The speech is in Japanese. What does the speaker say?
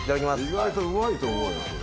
意外とうまいと思うよそれ。